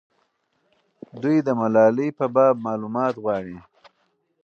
دوی د ملالۍ په باب معلومات غواړي.